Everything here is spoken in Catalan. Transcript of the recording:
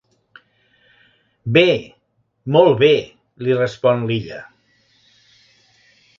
Bé, molt bé —li respon l'Illa.